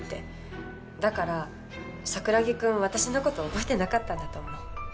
だから桜木くん私の事覚えてなかったんだと思う。